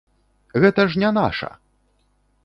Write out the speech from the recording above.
Гэта ж не наша!